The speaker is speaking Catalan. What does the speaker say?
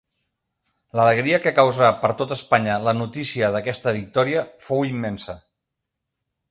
L'alegria que causà per tota Espanya la notícia d'aquesta victòria fou immensa.